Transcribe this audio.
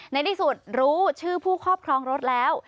ในที่สุดรู้ชื่อผู้ครอบครองรถแล้ว